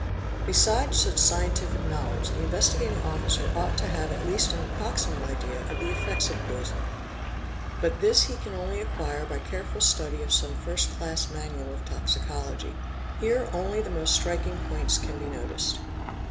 _ Besides such scientific knowledge, the Investigating Officer ought to mave at least an approximate idea of the effects of poisons, but this he F aan only acquire by careful study of some first class manual of toxico ogy (1023 1029), Here only the most striking points can be noticed.